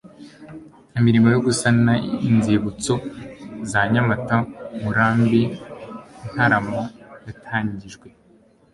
imirimo yo gusana inzibutso za nyamata murambi ntarama yatangijwe